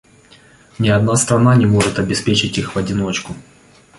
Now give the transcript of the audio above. Ни одна страна не может обеспечить их в одиночку.